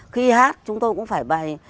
khi hát chúng tôi cũng phải bày